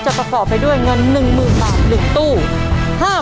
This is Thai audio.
ประกอบไปด้วยเงิน๑๐๐๐บาท๑ตู้